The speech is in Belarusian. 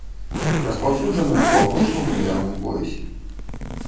Распаўсюджаная ў паўночным умераным поясе.